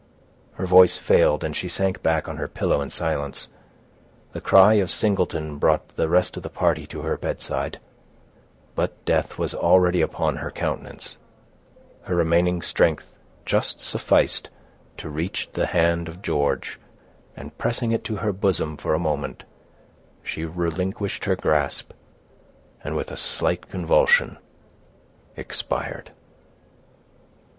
Her voice failed, and she sank back on her pillow in silence. The cry of Singleton brought the rest of the party to her bedside; but death was already upon her countenance; her remaining strength just sufficed to reach the hand of George, and pressing it to her bosom for a moment, she relinquished her grasp, and, with a slight convulsion, expired.